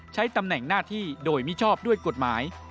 ใช้ตำแหน่งหน้าที่โดยมิชอบด้วยกฎหมาย